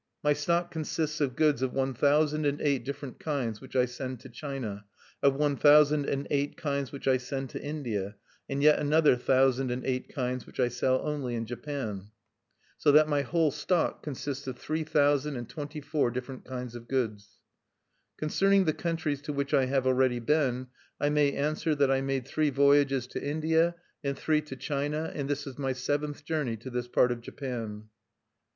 "My stock consists of goods of one thousand and eight different kinds which I send to China, of one thousand and eight kinds which I send to India, and yet another thousand and eight kinds which I sell only in Japan. "So that my whole stock consists of three thousand and twenty four different kinds of goods. "Concerning the countries to which I have already been, I may answer that I made three voyages to India and three to China and this is my seventh journey to this part of Japan."